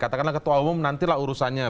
katakanlah ketua umum nantilah urusannya